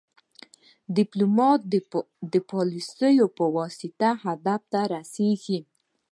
ډيپلومات د ډيپلوماسي پواسطه هدف ته رسیږي.